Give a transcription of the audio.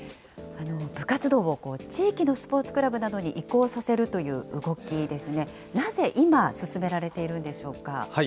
部活動を地域のスポーツクラブなどに移行させるという動きですね、なぜ今、進められているんでしょうか。